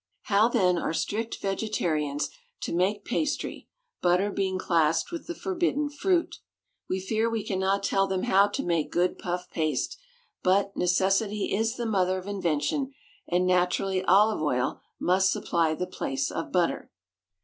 How then are strict vegetarians to make pastry, butter being classed with the forbidden fruit? We fear we cannot tell them how to make good puff paste; but "Necessity is the mother of invention," and naturally olive oil must supply the place of butter.